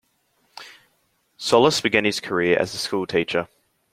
Solis began his career as a school teacher.